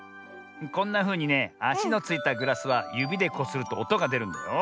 こんなふうにねあしのついたグラスはゆびでこするとおとがでるんだよ。